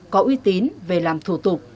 có uy tín về làm thủ tục